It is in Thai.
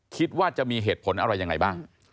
คิดว่าจะมีเหตุผลอะไรยังไงบ้าง